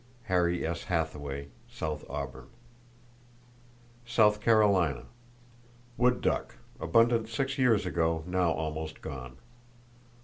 —(Harry S. Hathaway, South Auburn.) South Carolina: Wood duck, abundant 6 years ago, now almost gone.